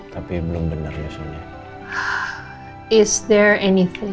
tapi belum benar nyusunnya